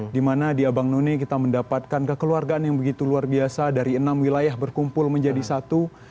dimana di abang none kita mendapatkan kekeluargaan yang begitu luar biasa dari enam wilayah berkumpul menjadi satu